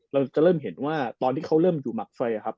เราจะเริ่มเห็นว่าตอนที่เขาเริ่มอยู่หมักไฟครับ